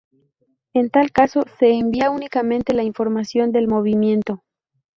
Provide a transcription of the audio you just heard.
En tal caso, se envía únicamente la información del movimiento.